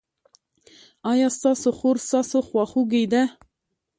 ایا ستاسو خور ستاسو خواخوږې ده؟